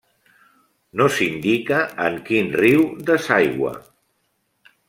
No s'indica en quin riu desaigua.